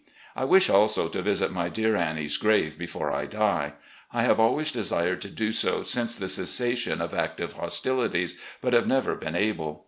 I wish also to visit my dear Annie's grave before I die. I have always desired to do so since the cessation of active hostilities, but have never been able.